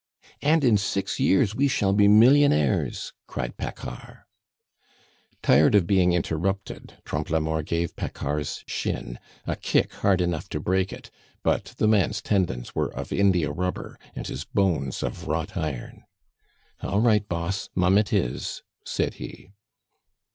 "And in six years we shall be millionaires," cried Paccard. Tired of being interrupted, Trompe la Mort gave Paccard's shin a kick hard enough to break it; but the man's tendons were of india rubber, and his bones of wrought iron. "All right, boss, mum it is," said he.